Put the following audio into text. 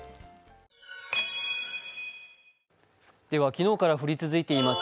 昨日から降り続いています